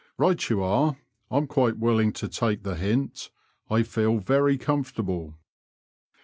•* Right you are. I'm quite willing to take the hint ; I feel very comfortable."